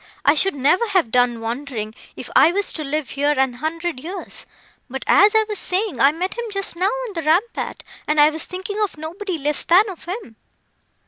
I should never have done wondering, if I was to live here a hundred years. But, as I was saying, I met him just now on the rampart, and I was thinking of nobody less than of him."